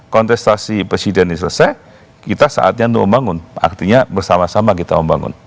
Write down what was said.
kontestasi presiden ini selesai kita saatnya untuk membangun artinya bersama sama kita membangun